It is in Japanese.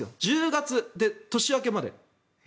１０月、年明けまで。